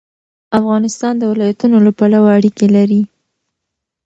افغانستان د ولایتونو له پلوه اړیکې لري.